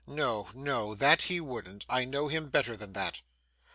No, no, that he wouldn't. I know him better than that.